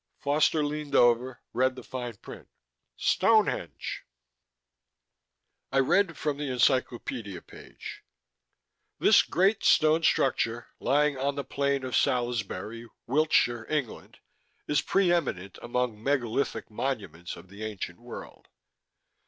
Foster leaned over, read the fine print. "Stonehenge." I read from the encyclopedia page: _this great stone structure, lying on the Plain of Salisbury, Wiltshire, England, is pre eminent among megalithic monuments of the ancient world.